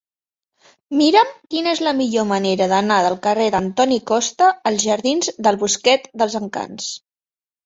Mira'm quina és la millor manera d'anar del carrer d'Antoni Costa als jardins del Bosquet dels Encants.